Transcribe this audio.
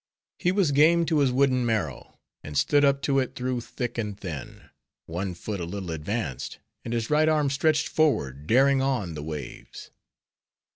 He was game to his wooden marrow, and stood up to it through thick and thin; one foot a little advanced, and his right arm stretched forward, daring on the waves.